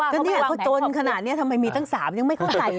ก็เนี่ยก็จนขนาดนี้ทำไมมีตั้ง๓ยังไม่เข้าใจ